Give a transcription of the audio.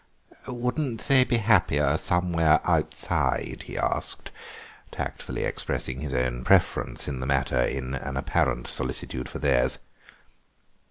"Wouldn't they be happier somewhere outside?" he asked, tactfully expressing his own preference in the matter in an apparent solicitude for theirs.